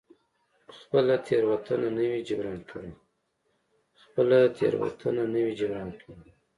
خپله تېروتنه نه وي جبران کړې.